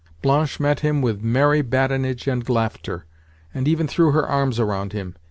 Blanche met him with merry badinage and laughter, and even threw her arms around him.